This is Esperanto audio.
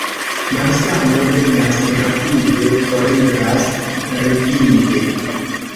Malsano venas rapide, foriras rigide.